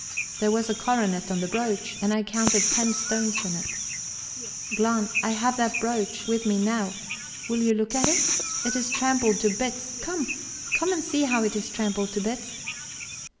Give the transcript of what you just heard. There was a coronet on the brooch, and I counted ten stones in it... Glahn, I have that brooch with me now; will you look at it? It is trampled to bits come, come and see how it is trampled to bits...